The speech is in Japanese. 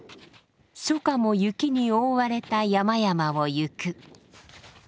初夏も雪に覆われた山々を行く。